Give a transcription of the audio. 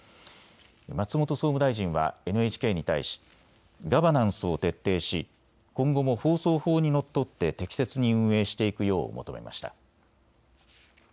松本総務大臣はＮＨＫに対しガバナンスを徹底し、今後も放送法にのっとって適切に運営していくよう求めました。